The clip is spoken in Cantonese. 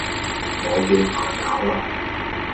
我要蝦餃呀